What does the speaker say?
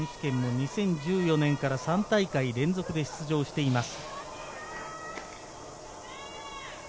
２０１４年から３大会連続で出場しています。